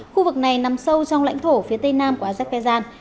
khu vực này nằm sâu trong lãnh thổ phía tây nam của azerbaijan